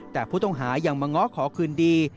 แต่ผู้ต้องหายังมาง้อขอคืนดี